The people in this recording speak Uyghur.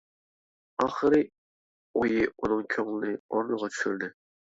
ئاخىرى ئويى ئۇنىڭ كۆڭلىنى ئورنىغا چۈشۈردى.